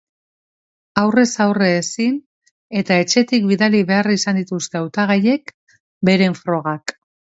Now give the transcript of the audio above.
Aurrez aurre ezin, eta etxetik bidali behar izan dituzte hautagaiek beren frogak.